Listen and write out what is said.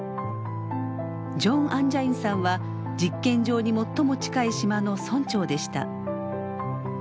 ジョン・アンジャインさんは実験場に最も近い島の村長でした。